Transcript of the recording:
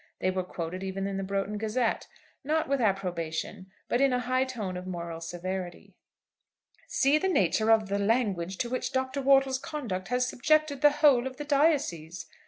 They were quoted even in the 'Broughton Gazette,' not with approbation, but in a high tone of moral severity. "See the nature of the language to which Dr. Wortle's conduct has subjected the whole of the diocese!"